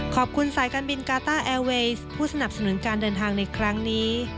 สายการบินกาต้าแอร์เวย์ผู้สนับสนุนการเดินทางในครั้งนี้